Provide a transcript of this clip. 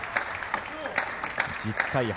１０対８